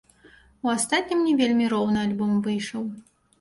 У астатнім не вельмі роўны альбом выйшаў.